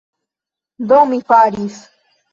Do, mi faris.